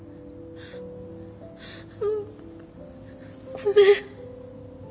ごめん。